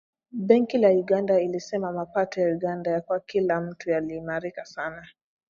Benki ya Dunia ilisema mapato ya Uganda kwa kila mtu yaliimarika sana